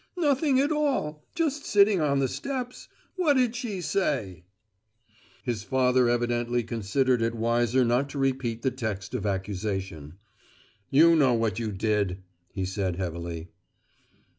"Nothing at all; just sitting on the steps. What'd she say?" His father evidently considered it wiser not to repeat the text of accusation. "You know what you did," he said heavily.